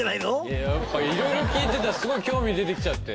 やっぱ色々聞いてたらすごい興味出てきちゃって。